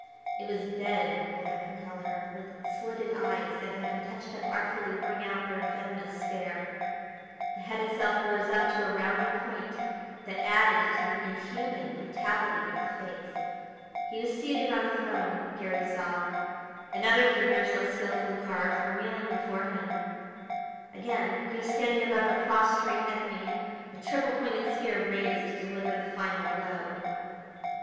It was dead black in color, with slitted eyes that had been touched up artfully to bring out their venomous stare. The head itself rose up to a rounded point that added to the inhuman brutality of the face. He was seated on a throne, Garry saw, and other figures, less skilfully carved, were kneeling before him. Again, he was standing above a prostrate enemy, a triple pointed spear raised to deliver the final blow.